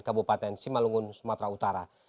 kabupaten simalungun sumatera utara